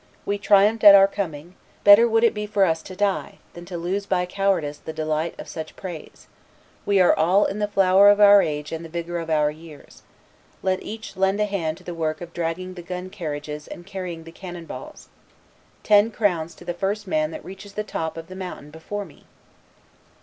We triumphed at our coming; better would it be for us to die, than to lose by cowardice the delight of such praise; we are all in the flower of our age and the vigor of our years; let each lend a hand to the work of dragging the gun carriages and carrying the cannon balls; ten crowns to the first man that reaches the top of the mountain before me!